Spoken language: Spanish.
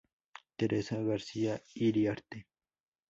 Teresa García Iriarte.